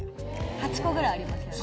８個ぐらいありますよね？